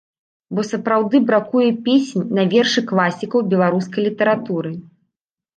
Бо сапраўды бракуе песень на вершы класікаў беларускай літаратуры.